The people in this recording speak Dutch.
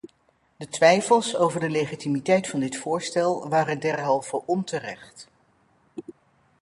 De twijfels over de legitimiteit van dit voorstel waren derhalve onterecht.